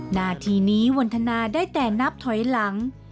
นาทีนี้วันทนาได้แต่นับถอยหลัง